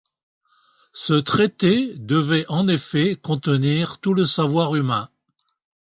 Ce traité devait en effet contenir tout le savoir humain.